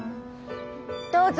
どうぞ。